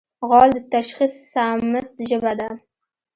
غول د تشخیص صامت ژبه ده.